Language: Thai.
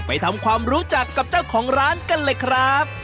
ไปทำความรู้จักกับเจ้าของร้านกันเลยครับ